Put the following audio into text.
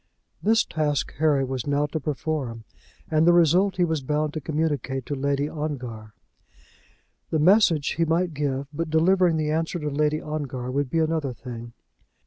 This task Harry was now to perform, and the result he was bound to communicate to Lady Ongar. The message he might give; but delivering the answer to Lady Ongar would be another thing.